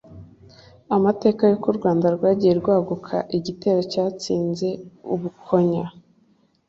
Amateka y'Uko u Rwanda Rwagiye Rwaguka Igitero cyatsinze u Bukonya